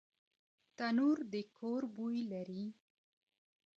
تنور د کور بوی لري